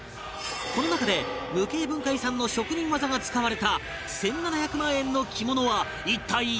この中で無形文化遺産の職人技が使われた１７００万円の着物は一体どれなのか？